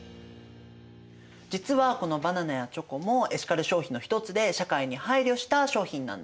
実はこのバナナやチョコもエシカル消費の一つで社会に配慮した商品なんだよね。